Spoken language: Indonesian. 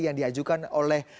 yang diajukan oleh